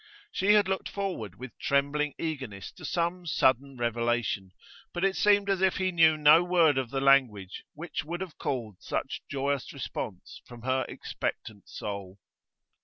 She had looked forward with trembling eagerness to some sudden revelation; but it seemed as if he knew no word of the language which would have called such joyous response from her expectant soul.